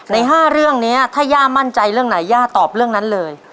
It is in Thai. ใน๕เรื่องนี้ถ้าย่ามั่นใจเรื่องไหนย่าตอบเรื่องนั้นเลย